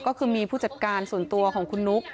ก็คือมีผู้จัดการส่วนตัวของคุณนุ๊ก